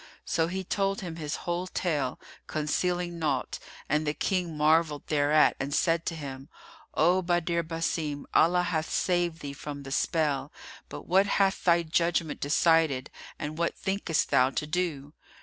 So he told him his whole tale, concealing naught; and the King marvelled thereat and said to him, "O Badr Basim, Allah hath saved thee from the spell: but what hath thy judgment decided and what thinkest thou to do?"